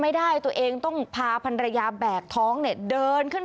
พาพนักงานสอบสวนสนราชบุรณะพาพนักงานสอบสวนสนราชบุรณะ